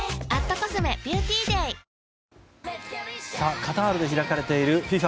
カタールで開かれているＦＩＦＡ